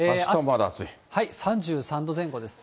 ３３度前後です。